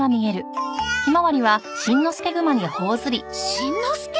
しんのすけ？